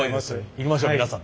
いきましょう皆さん。